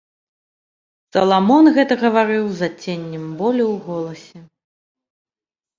Саламон гэта гаварыў з адценнем болю ў голасе.